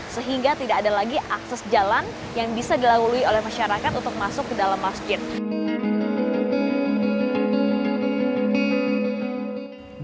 sehingga tidak ada lagi akses jalan yang bisa dilalui oleh masyarakat untuk masuk ke dalam masjid